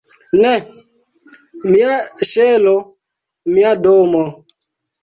"Ne! Mia ŝelo! Mia domo!"